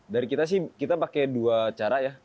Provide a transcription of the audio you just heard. dari kita sih kita pakai dua cara ya